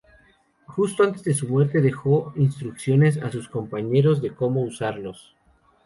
Justo antes de su muerte, dejó instrucciones a sus compañeros de como usarlos.